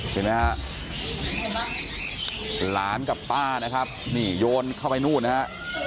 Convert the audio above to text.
เห็นไหมฮะหลานกับป้านะครับนี่โยนเข้าไปนู่นนะฮะ